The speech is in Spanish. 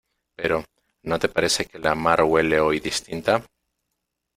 pero ¿ no te parece que la mar huele hoy distinta?